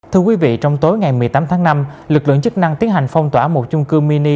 thưa quý vị trong tối ngày một mươi tám tháng năm lực lượng chức năng tiến hành phong tỏa một chung cư mini